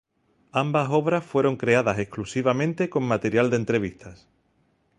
Ambas obras fueron creadas exclusivamente con material de entrevistas.